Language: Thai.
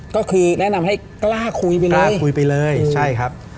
ก็คือแนะนำให้กล้าคุยไปเลย